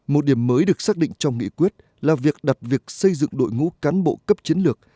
một điểm mới được xác định trong nghị quyết là việc đặt việc xây dựng đội ngũ cán bộ cấp chiến lược